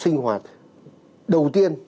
sinh hoạt đầu tiên